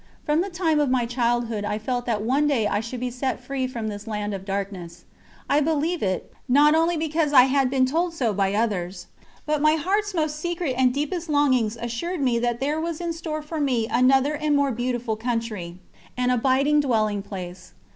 From the time of my childhood I felt that one day I should be set free from this land of darkness. I believed it, not only because I had been told so by others, but my heart's most secret and deepest longings assured me that there was in store for me another and more beautiful country an abiding dwelling place.